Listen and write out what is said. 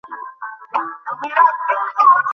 তবে কিনা সত্যকে ঠিকমতো করে জানার দরুন আমাদের একটা লাভ আছে।